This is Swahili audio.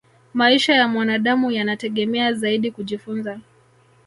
maisha ya mwanadamu yanategemea zaidi kujifunza